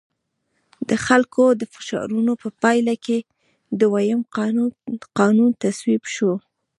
د خلکو د فشارونو په پایله کې دویم قانون تصویب شو.